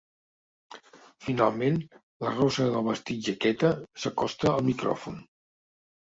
Finalment, la rossa del vestit jaqueta s'acosta al micròfon.